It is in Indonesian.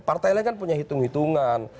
partai lain kan punya hitung hitungan